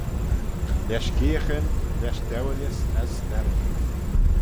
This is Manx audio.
Lesh geayaghyn, lesh dewilys as sterrym.